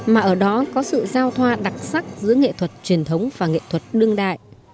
mà ở đó có sự giao thoa đặc sắc giữa nghệ thuật truyền thống và nghệ thuật đương đại